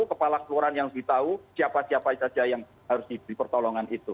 kepala keluaran yang lebih tahu siapa siapa saja yang harus dipertolongan itu